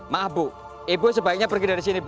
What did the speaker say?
maaf bu ibu sebaiknya pergi dari sini bu